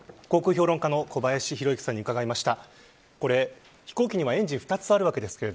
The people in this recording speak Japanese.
航空評論家の小林宏之さんに伺いました。